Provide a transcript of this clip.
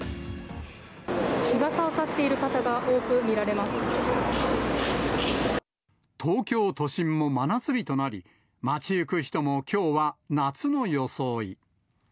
日傘を差している方が多く見東京都心も真夏日となり、街行く人も、きょうは夏の装い。